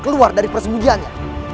keluar dari persembunyiannya